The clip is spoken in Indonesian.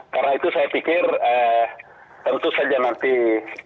karena itu saya pikir tentu saja nanti mas adi dan bang ferry ya